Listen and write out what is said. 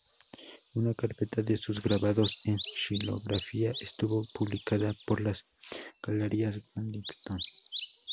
Una carpeta de sus grabados en xilografía estuvo publicada por las Galerías Waddington.